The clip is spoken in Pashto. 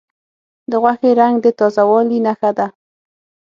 د غوښې رنګ د تازه والي نښه ده.